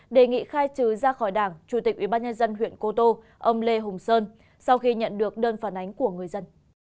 đề nghị khai trừ ra khỏi đảng chủ tịch ubnd huyện cô tô ông lê hùng sơn sau khi nhận được đơn phản ánh của người dân